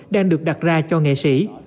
đang được đặt ra cho nghệ sĩ